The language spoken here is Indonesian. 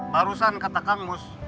barusan kata kang mus